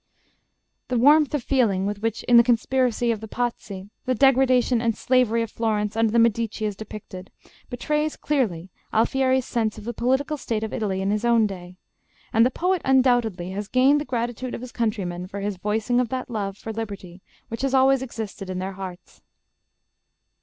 The warmth of feeling with which, in the 'Conspiracy of the Pazzi,' the degradation and slavery of Florence under the Medici is depicted, betrays clearly Alfieri's sense of the political state of Italy in his own day. And the poet undoubtedly has gained the gratitude of his countrymen for his voicing of that love for liberty which has always existed in their hearts.